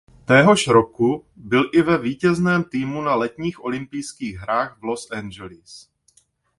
Téhož roku byl i ve vítězném týmu na letních olympijských hrách v Los Angeles.